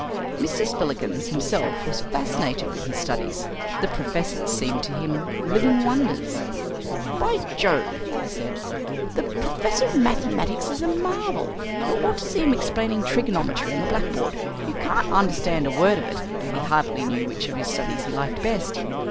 Mr. Spillikins himself was fascinated with his studies. The professors seemed to him living wonders. "By Jove!" he said, "the professor of mathematics is a marvel. You ought to see him explaining trigonometry on the blackboard. You can't understand a word of it." He hardly knew which of his studies he liked best.